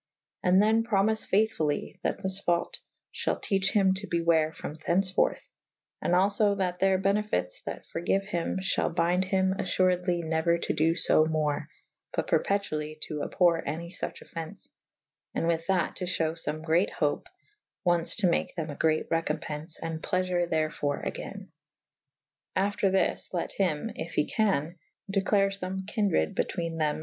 And the« promife faithfully that this faut fhall teche hym to beware froOT thens forth and alio that theyr benefytes that forgyue hym fhal bynde hym affuredly neuer to do lb more / but perpetually to abhorre any fuche offence / and with that to fhewe some great hope ones to make them a great recowpence & pleafure therfore agayne. After this let hym (yf he can) declare fome kynred betwene thew?